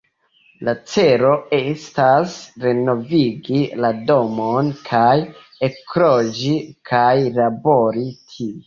La celo estas renovigi la domon kaj ekloĝi kaj labori tie.